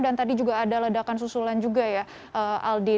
dan tadi juga ada ledakan susulan juga ya aldi